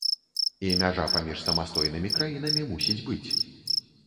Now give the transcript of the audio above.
І мяжа паміж самастойнымі краінамі мусіць быць.